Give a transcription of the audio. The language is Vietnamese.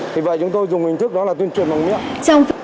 vì vậy chúng tôi dùng hình thức đó là tuyên truyền bằng miệng